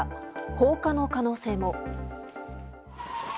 放火の可能性も。